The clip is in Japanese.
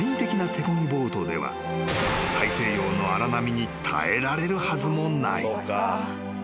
ボートでは大西洋の荒波に耐えられるはずもない］